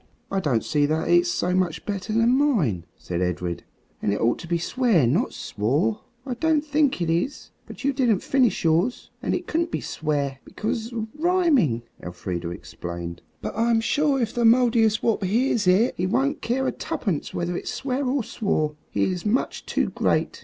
"I don't see that it's so much better than mine," said Edred, "and it ought to be swear, not swore." "I don't think it is. But you didn't finish yours. And it couldn't be 'swear,' because of rhyming," Elfrida explained. "But I'm sure if the Mouldiestwarp hears it he won't care tuppence whether it's swear or swore. He is much too great.